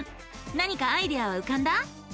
何かアイデアはうかんだ？